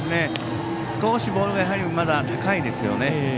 少しボールがまだ高いですよね。